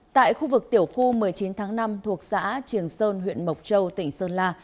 tại khu vực tiểu khu một mươi chín tháng năm thuộc xã triềng sơn huyện mộc châu tỉnh sơn la